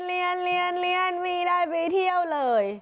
มีแต่เรียนมีได้ไปเที่ยวเลย